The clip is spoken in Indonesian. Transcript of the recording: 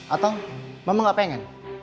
atau mama gak pengen